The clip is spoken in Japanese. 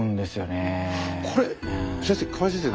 これ先生河合先生